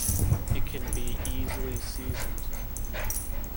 It can be easily seasoned.